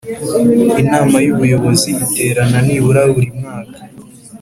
Inama y’ Ubuyobozi iterana nibura burimwaka.